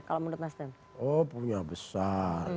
kalau menurut nasdem oh punya besar